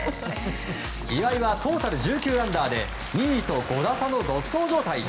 岩井はトータル１９アンダーで２位と５打差の独走状態。